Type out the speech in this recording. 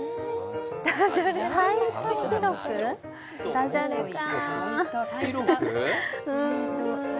ダジャレかあ。